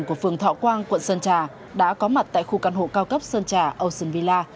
của phường thọ quang quận sơn trà đã có mặt tại khu căn hộ cao cấp sơn trà ocean villa